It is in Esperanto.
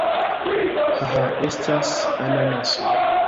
Ha! Ha! Estas ananaso!